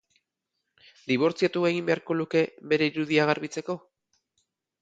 Dibortziatu egin beharko luke bere irudia garbitzeko?